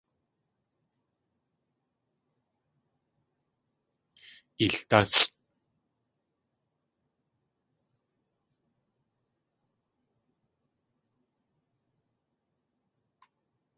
Eeldásʼ!